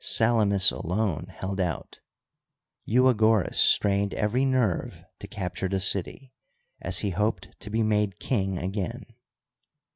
Salamis alone held out. Euagoras strained every nerve to capture the city, as he hoped to be made king again.